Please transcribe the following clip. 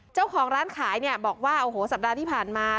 เจ้าของร้านขายเนี่ยบอกว่าโอ้โหสัปดาห์ที่ผ่านมา